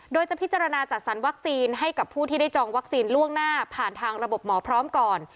โดยจะพิจารณาจัดสรรวัคซีนให้กับผู้ที่ได้จองวัคซีนล่วงหน้าผ่านทางระบบหมอพร้อมก่อน